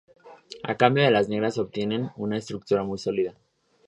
A cambio las negras obtienen una estructura muy sólida.